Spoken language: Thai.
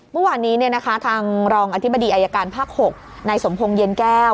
เมื่อวานนี้ทางรองอธิบดีอายการภาค๖นายสมพงศ์เย็นแก้ว